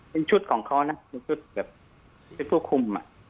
เป็นชุดของเขานะเป็นชุดแบบไอ้ผู้คุม